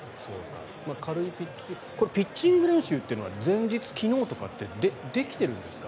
これピッチング練習とかって前日、昨日とかってできてるんですか？